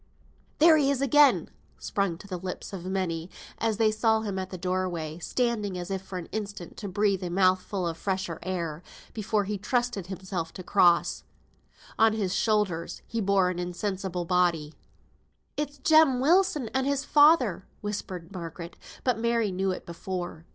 "There he is again!" sprung to the lips of many, as they saw him at the doorway, standing as if for an instant to breathe a mouthful of the fresher air, before he trusted himself to cross. On his shoulders he bore an insensible body. "It's Jem Wilson and his father," whispered Margaret; but Mary knew it before.